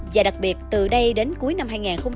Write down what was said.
và đặc biệt từ đây đến cuối năm hai nghìn hai mươi